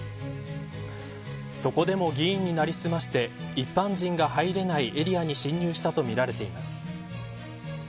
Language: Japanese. そこでも議員に成り済まして一般人が入れないエリアに侵入したとみられています。